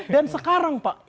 dan sekarang pak